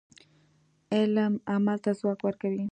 علم عمل ته ځواک ورکوي.